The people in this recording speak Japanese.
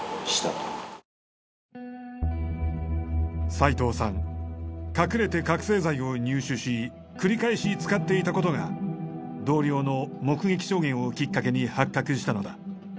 斉藤さん隠れて覚醒剤を入手し繰り返し使っていたことが同僚の目撃証言をきっかけに発覚したのだ。